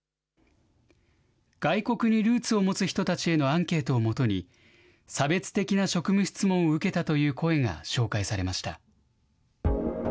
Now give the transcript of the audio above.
外国にルーツを持つ人たちへのアンケートを基に、差別的な職務質問を受けたという声が紹介されました。